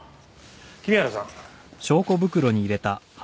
君原さん。